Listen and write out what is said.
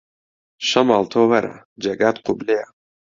شەماڵ تۆ وەرە جێگات قوبلەیە